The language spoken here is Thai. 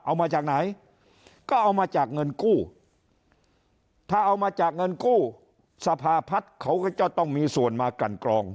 เอามาจากไหนก็เอามาจากเงินกู้ถ้าเอามาจากเงินกู้สภาพัฒน์เขาก็จะต้องมีส่วนมากลั่นกรอง